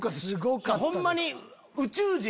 ホンマに。